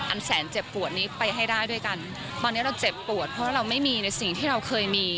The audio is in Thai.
แสนเจ็บปวดนี้ไปให้ได้ด้วยกันตอนนี้เราเจ็บปวดเพราะเราไม่มีในสิ่งที่เราเคยมี